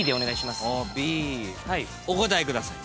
お答えください。